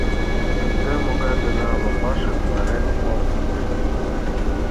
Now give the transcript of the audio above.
Ынде могай гына лапашым варен ом мошто?